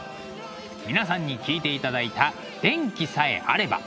皆さんに聴いていただいた「電気さえあれば」。